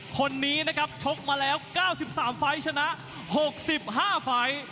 คนนี้นะครับชกมาแล้ว๙๓ไฟล์ชนะ๖๕ไฟล์